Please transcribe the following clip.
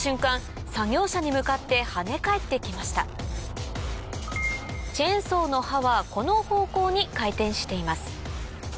作業者に向かってはね返ってきましたチェーンソーの刃はこの方向に回転しています